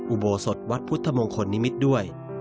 อุโบสถวัดพุทธมงคลนิมิตรด้วย